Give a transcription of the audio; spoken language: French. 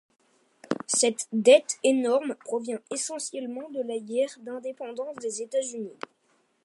Cette dette énorme provient essentiellement de la guerre d'indépendance des États-Unis.